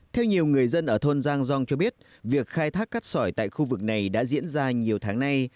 theo nhiều người dân ở thôn giang dong cho biết việc khai thác cát sỏi tại khu vực này đã diễn ra nhiều tháng nay